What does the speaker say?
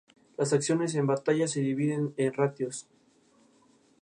Las acciones en batalla se dividen en ratios.